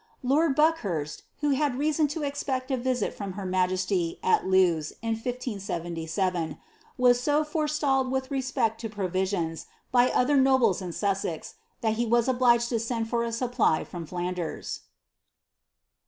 Lord BuckbursI, who had reason to expect a visit from her majesty, at Lewes, in 1577, was so forestalled with respect to provisions, by other nobles in Sussex, that he was obliged lo send for a supply from Flanders.'